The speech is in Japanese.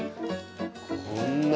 こんな？